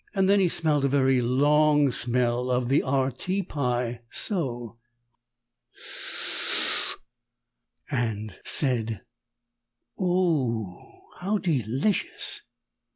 Then he smelled a very long smell of the R. T. pie so and said, "O o o o oh! How delicious!"